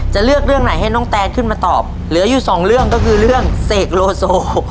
จะเลือกเรื่องไหนให้น้องแตนขึ้นมาตอบเหลืออยู่สองเรื่องก็คือเรื่องเสกโลโซ